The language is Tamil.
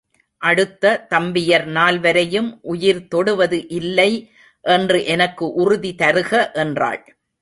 அடுத்த தம்பியர் நால்வரையும் உயிர் தொடுவது இல்லை என்று எனக்கு உறுதி தருக என்றாள்.